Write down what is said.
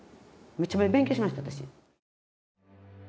めっちゃ勉強しました私。